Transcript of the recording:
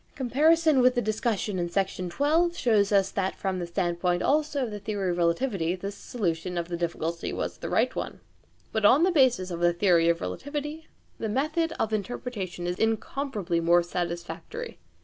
Comparison with the discussion in Section 11 shows that also from the standpoint of the theory of relativity this solution of the difficulty was the right one. But on the basis of the theory of relativity the method of interpretation is incomparably more satisfactory.